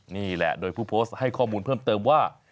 นี่แหละโดยผู้โพสต์ให้ข้อมูลเพิ่มเติมว่า